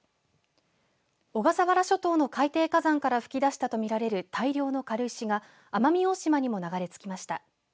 小笠原諸島の海底火山から噴き出したとみられる大量の軽石が奄美大島にも流れ着きました。